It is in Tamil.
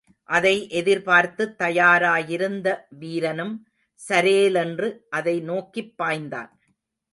அதை எதிர்பார்த்துத் தயாராயிருந்த வீரனும் சரேலென்று அதை நோக்கிப் பாய்ந்தான்.